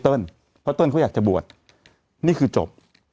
เติ้เพราะเติ้ลเขาอยากจะบวชนี่คือจบ